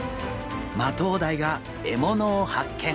マトウダイが獲物を発見！